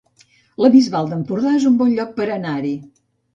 La Bisbal d'Empordà es un bon lloc per anar-hi